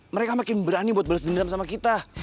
mereka makin berani buat beres dendam sama kita